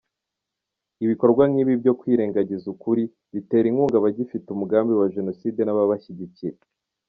Ibikorwa nk’ibi byo kwirengagiza ukuri, bitera inkunga abagifite umugambi wa Jenoside n’ababashyigikira.